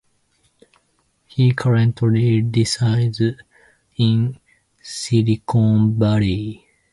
He currently resides in Silicon Valley.